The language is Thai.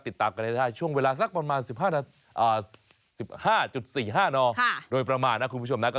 ติดตามกันได้ช่วงเวลาสักประมาณ๑๕๔๕นโดยประมาณนะคุณผู้ชมนะ